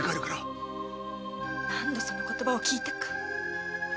何度その言葉を聞いたか！